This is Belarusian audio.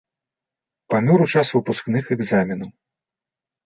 Памёр у час выпускных экзаменаў.